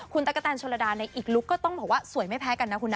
คุณตั๊กกะแตนชนระดาในอีกลุคก็ต้องบอกว่าสวยไม่แพ้กันนะคุณนะ